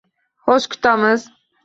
Xo'sh, kutamiz.